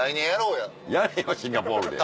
やれへんシンガポールで。